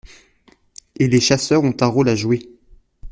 Et les chasseurs ont un rôle à jouer.